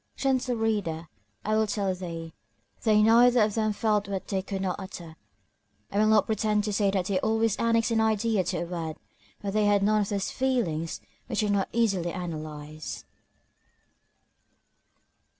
Gentle reader, I will tell thee; they neither of them felt what they could not utter. I will not pretend to say that they always annexed an idea to a word; but they had none of those feelings which are not easily analyzed.